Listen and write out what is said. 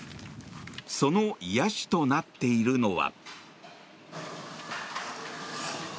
その癒やしとなっているのは。